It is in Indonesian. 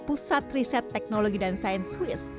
pusat riset teknologi dan sains swiss